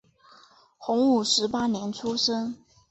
洪武十八年出生。